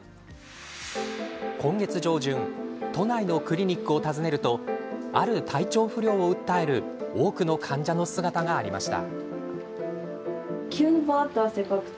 今月上旬都内のクリニックを訪ねるとある体調不良を訴える多くの患者の姿がありました。